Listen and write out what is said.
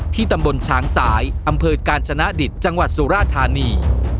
ตำบลช้างสายอำเภอกาญชนะดิตจังหวัดสุราธานี